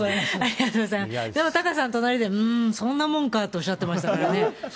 でもタカさん、隣で、うーん、そんなもんかとおっしゃってましたけどね。